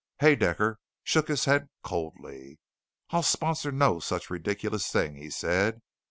Haedaecker shook his head coldly. "I'll sponsor no such ridiculous thing," he said.